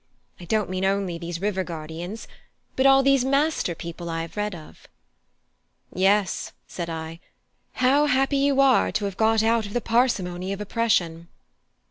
I don't mean only these river guardians, but all these master people I have read of." "Yes," said I, "how happy you are to have got out of the parsimony of oppression!"